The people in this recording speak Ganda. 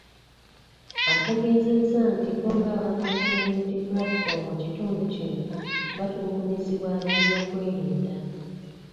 Ategeezezza nti bo ng'aba National Unity Platform mu kitundu kino, batulugunyizibwa ab'ebyokwerinda.